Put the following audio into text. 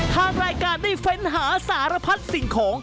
ทางรายการได้เฟ้นหาสารพัดสิ่งของ